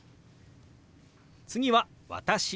次は「私」。